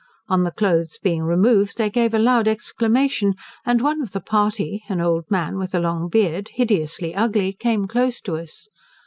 On the cloaths being removed, they gave a loud exclamation, and one of the party, an old man, with a long beard, hideously ugly, came close to us.